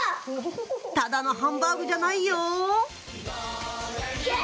ただのハンバーグじゃないよイェイ！